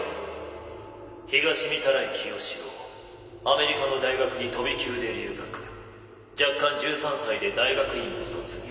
アメリカの大学に飛び級で留学弱冠１３歳で大学院を卒業。